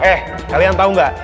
eh kalian tahu nggak